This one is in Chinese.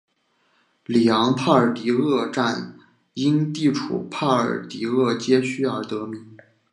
里昂帕尔迪厄站因地处帕尔迪厄街区而得名。